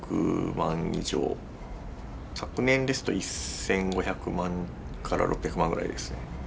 昨年ですと１，５００万から１，６００万ぐらいですね。